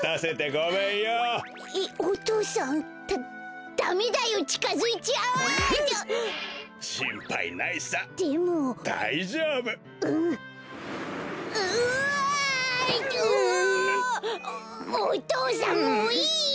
お父さんもういいよ！